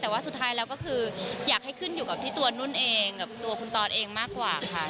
แต่ว่าสุดท้ายแล้วก็คืออยากให้ขึ้นอยู่กับที่ตัวนุ่นเองกับตัวคุณตอสเองมากกว่าค่ะ